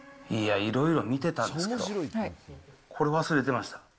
いや、いろいろ見てたんですけど、これ忘れてました。